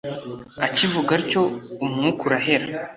akivuga atyo umwuka urahera